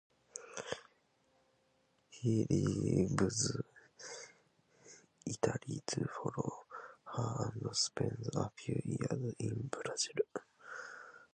He leaves Italy to follow her and spends a few years in Brazil.